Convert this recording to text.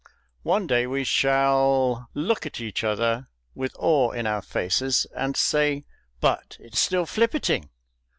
One day we shall look at each other with awe in our faces and say, "But it's still flipperting!"